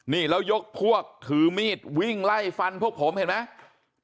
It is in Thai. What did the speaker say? นี่แล้วยกพวกถือมีดวิ่งไล่ฟันพวกผมเห็นไหม